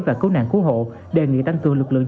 và cứu nạn cứu hộ đề nghị tăng cường lực lượng